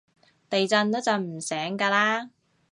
地震都震唔醒㗎喇